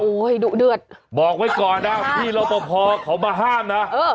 โอ้ยดุเดือดบอกไว้ก่อนนะพี่เรามะพอเขามาห้ามนะเออ